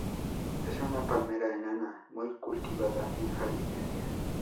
Es una palmera enana muy cultivada en jardinería.